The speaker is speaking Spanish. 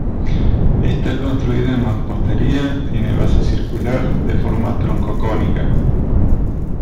Está construida en mampostería, tiene base circular, de forma troncocónica.